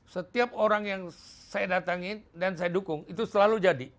setiap orang yang saya datangin dan saya dukung itu selalu jadi